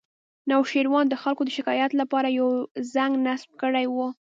نوشیروان د خلکو د شکایت لپاره یو زنګ نصب کړی و